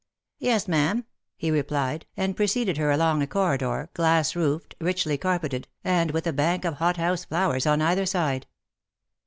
" Yes, ma'am,'' he replied, and preceded her along a corridor, glass roofed, richly carpeted, and with a bank of hothouse flowers on either side.